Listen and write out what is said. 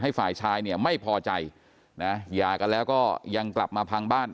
ฝ่ายชายเนี่ยไม่พอใจนะหย่ากันแล้วก็ยังกลับมาพังบ้าน